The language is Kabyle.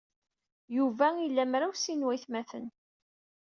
Yuba ila mraw sin n waytmaten.